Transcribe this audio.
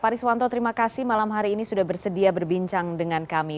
pak riswanto terima kasih malam hari ini sudah bersedia berbincang dengan kami